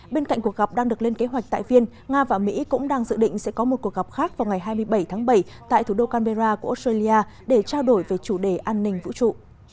bên cạnh cuộc gặp đang được lên kế hoạch tại viên nga và mỹ cũng đang dự định sẽ có một cuộc gặp khác vào ngày hai mươi bảy tháng bảy tại thủ đô canberra của australia để trao đổi về chủ đề an ninh vũ trụ